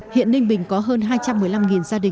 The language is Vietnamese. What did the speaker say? hiện ninh bình có hơn hai trăm một mươi năm gia đình